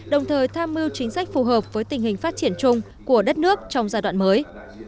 đồng thời tham mưu chính sách phù hợp với tình hình phát triển chung của đất nước trong giai đoạn mới